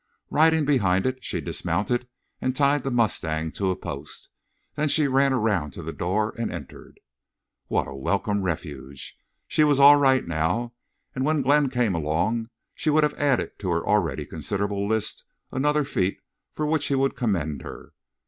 Riding behind it, she dismounted and tied the mustang to a post. Then she ran around to the door and entered. What a welcome refuge! She was all right now, and when Glenn came along she would have added to her already considerable list another feat for which he would commend her.